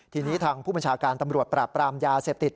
ทีนี้ทางผู้บัญชาการตำรวจปราบปรามยาเสพติด